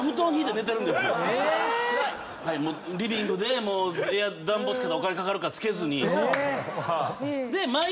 リビングで暖房つけたらお金かかるからつけずに。